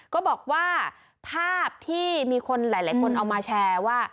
ก็บอกว่าภาพที่มีคนหลายคนเอามาแชร์ว่า